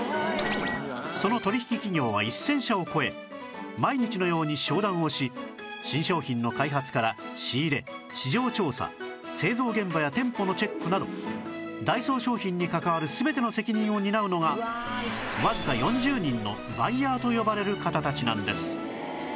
その取引企業は１０００社を超え毎日のように商談をし新商品の開発から仕入れ市場調査製造現場や店舗のチェックなどダイソー商品に関わる全ての責任を担うのがわずか４０人のバイヤーと呼ばれる方たちなんです